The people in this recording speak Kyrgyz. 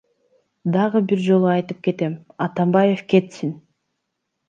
Дагы бир жолу айтып кетем, Атамбаев кетсин!